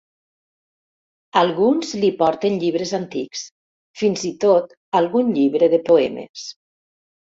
Alguns li porten llibres antics, fins i tot algun llibre de poemes.